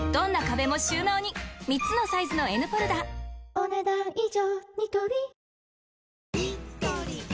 お、ねだん以上。